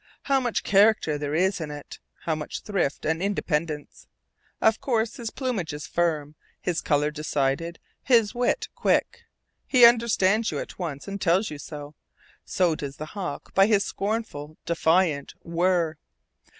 How much character there is in it! How much thrift and independence! Of course his plumage is firm, his color decided, his wit quick. He understands you at once and tells you so; so does the hawk by his scornful, defiant whir r r r r.